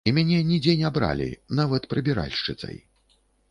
І мяне нідзе не бралі нават прыбіральшчыцай.